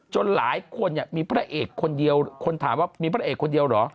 หลายคนมีพระเอกคนเดียวคนถามว่ามีพระเอกคนเดียวเหรอ